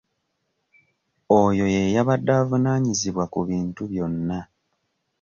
Oyo ye yabadde evunaanyizibwa ku bintu byonna.